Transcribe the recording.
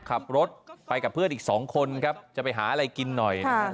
ขับรถไปกับเพื่อนอีก๒คนครับจะไปหาอะไรกินหน่อย